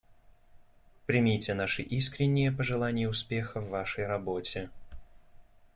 Примите наши искренние пожелания успеха в Вашей работе.